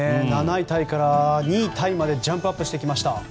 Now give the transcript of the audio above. ７位タイから２位タイまでジャンプアップしてきました。